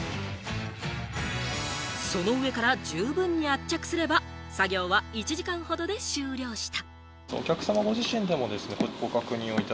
その上から十分に圧着すれば、作業は１時間ほどで終了した。